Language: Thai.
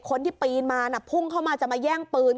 คนที่ปีนมาน่ะพุ่งเข้ามาจะมาแย่งปืน